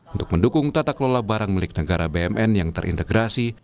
untuk mendukung tata kelola barang milik negara bumn yang terintegrasi